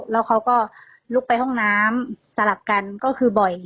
แล้วเขาก็ลุกไปห้องน้ำสลับกันก็คือบ่อย